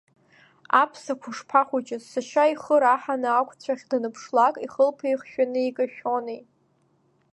Аԥсақәа шԥахәыҷыз, сашьа ихы раҳаны ақәцәахь даныԥшлак, ихылԥа ихшәаны икашәонеи!